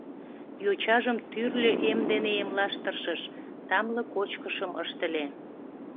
Йочажым тӱрлӧ эм дене эмлаш тыршыш, тамле кочкышым ыштыле.